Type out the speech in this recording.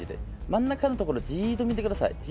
真ん中のところじっと見てください。